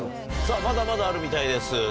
さぁまだまだあるみたいです。